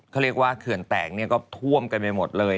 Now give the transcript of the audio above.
เขาเรียกว่าเขื่อนแตกเนี่ยก็ท่วมกันไปหมดเลย